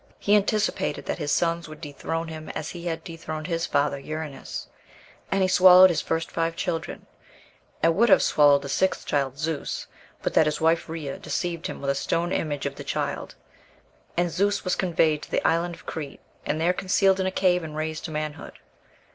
He anticipated that his sons would dethrone him, as he had dethroned his father, Uranos, and he swallowed his first five children, and would have swallowed the sixth child, Zeus, but that his wife Rhea deceived him with a stone image of the child; and Zeus was conveyed to the island of Crete, and there concealed in a cave and raised to manhood.